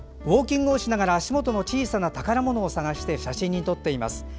ウォーキングをしながら足元の小さな宝物を探して写真に撮っています。